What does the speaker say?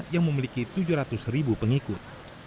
yang memiliki tujuh ratus ribu pengikut